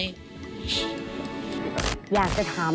สวัสดีครับ